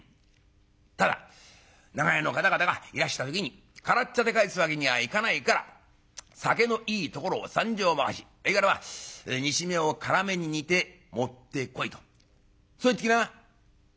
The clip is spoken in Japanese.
『ただ長屋の方々がいらした時に空茶で帰すわけにはいかないから酒のいいところを３升ばかしほいからまあ煮しめを辛めに煮て持ってこい』とそう言ってきな」。